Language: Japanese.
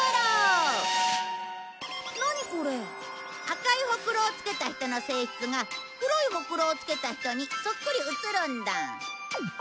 赤いほくろをつけた人の性質が黒いほくろをつけた人にそっくり移るんだ。